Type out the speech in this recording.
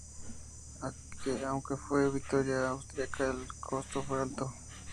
Aunque fue una victoria austriaca, el costo fue alto.